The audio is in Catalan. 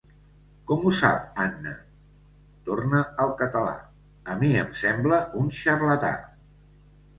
Com ho sap, Anna? —torna al català— A mi em sembla un xarlatà.